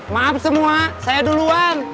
maaf semua saya duluan